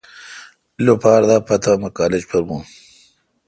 رل دا پتا مہ کالج پر بھون